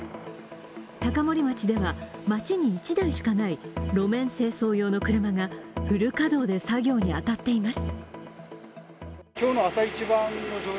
高森町では町に１台しかない路面清掃用の車がフル稼働で作業に当たっています。